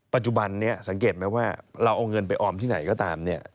ปัจจุบันนี้สังเกตไหมว่าเราเอาเงินไปออมที่ไหนก็ตามเนี่ย